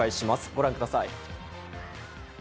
ご覧ください。